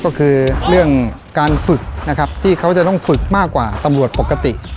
ก็คือเรื่องการฝึกนะครับที่เขาจะต้องฝึกมากกว่าตำรวจปกติ